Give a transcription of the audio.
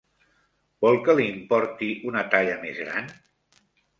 Vol que li'n porti una talla més gran?